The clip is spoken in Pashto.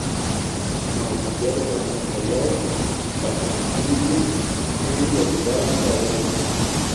مازدیګر به مو په یو ادیتوریم کې والیبال کاوه.